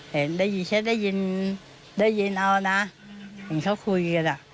แต่ได้ยินแค่ได้ยินได้ยินเอานะเห็นเขาคุยกันอ่ะ